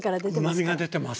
うまみが出てます。